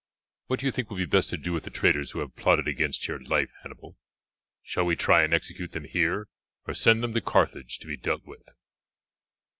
"What do you think will be best to do with the traitors who have plotted against your life, Hannibal? Shall we try and execute them here, or send them to Carthage to be dealt with?"